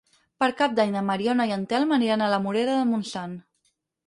Per Cap d'Any na Mariona i en Telm aniran a la Morera de Montsant.